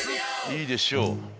いいでしょう。